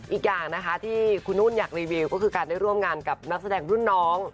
อีกอย่างนะคะที่คุณนุ่นอยากรีวิวก็คือการได้ร่วมงานกับนักแสดงรุ่นน้อง